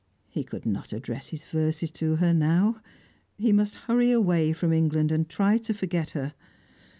He could not address his verses to her, now. He must hurry away from England, and try to forget her.